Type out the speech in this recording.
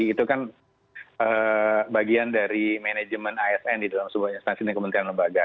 itu kan bagian dari manajemen asn di dalam sebuah instansi dan kementerian lembaga